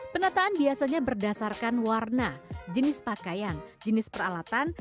penataan biasanya berdasarkan warna jenis pakaian jenis peralatan